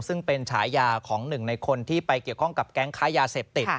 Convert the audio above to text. ซึ่งเป็นฉายาของหนึ่งในคนที่ไปเกี่ยวข้องกับแก๊งค้ายาเสพติด